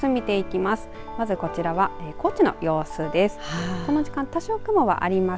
まず、こちらは高知の様子です。